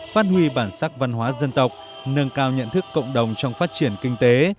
phát huy bản sắc văn hóa dân tộc nâng cao nhận thức cộng đồng trong phát triển kinh tế